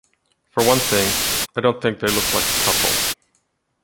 For one thing, I don't think they look like a couple.